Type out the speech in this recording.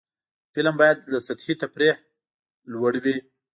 فلم باید له سطحي تفریح نه لوړ وي